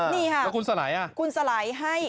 นี่ฮะคุณสไหล่น่ะคุณสไหล่ให้